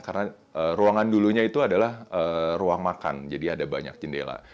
karena ruangan dulunya itu adalah ruang makan jadi ada banyak jendela